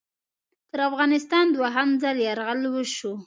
پر افغانستان دوهم ځل یرغل وشو.